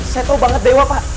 saya tahu banget dewa pak